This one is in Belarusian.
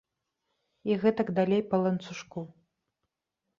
І гэтак далей па ланцужку.